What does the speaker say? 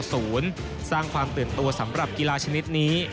สร้างความตื่นตัวสำหรับกีฬาชนิดนี้